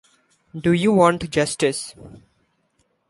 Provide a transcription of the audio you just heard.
Do you want justice?